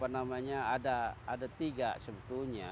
namanya ada tiga sebetulnya